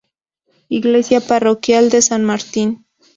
Iglesia parroquial de San Martín.